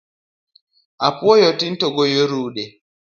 Apuoyo tin to goyo rude